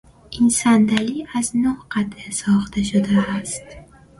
این صندلی از نه قطعه ساخته شده است.